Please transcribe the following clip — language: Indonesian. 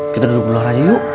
kita duduk luar aja yuk